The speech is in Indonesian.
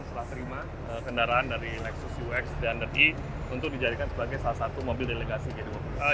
setelah terima kendaraan dari lexus ux dnder e untuk dijadikan sebagai salah satu mobil delegasi g dua puluh